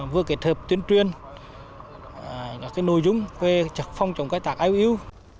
vừa kết hợp tuyên truyền các nội dung về phong trọng cài tạc iou